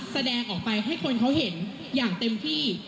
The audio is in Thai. แสดงออกไปให้คนเขาเห็นอย่างเต็มที่